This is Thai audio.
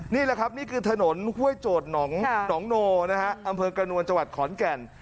นี่แหละครับนี่คือถนนห้วยโจทย์หนองโนนะฮะอำเภอกระนวลจังหวัดขอนแก่น